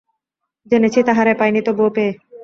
জেনেছি তাহারে, পাই নি তবুও পেয়ে।